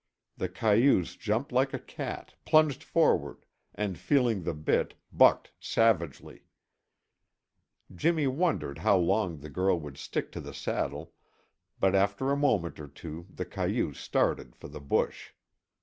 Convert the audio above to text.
The cayuse jumped like a cat, plunged forward, and feeling the bit, bucked savagely. Jimmy wondered how long the girl would stick to the saddle, but after a moment or two the cayuse started for the bush.